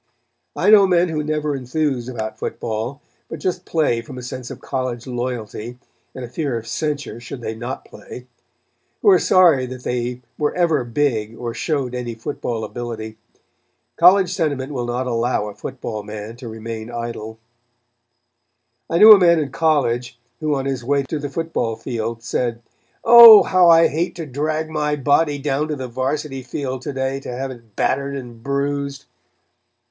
I know men who never enthuse over football, but just play from a sense of college loyalty, and a fear of censure should they not play; who are sorry that they were ever big or showed any football ability. College sentiment will not allow a football man to remain idle. [Illustration: REPAIRS] I knew a man in college, who, on his way to the football field, said: "Oh, how I hate to drag my body down to the Varsity field to day to have it battered and bruised!"